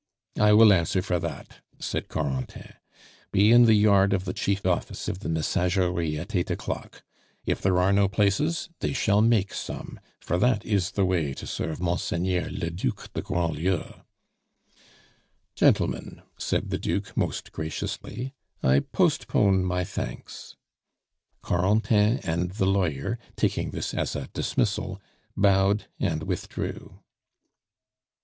"I will answer for that," said Corentin. "Be in the yard of the Chief Office of the Messageries at eight o'clock. If there are no places, they shall make some, for that is the way to serve Monseigneur le Duc de Grandlieu." "Gentlemen," said the Duke most graciously, "I postpone my thanks " Corentin and the lawyer, taking this as a dismissal, bowed, and withdrew.